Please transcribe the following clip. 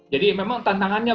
jadi memang tantangannya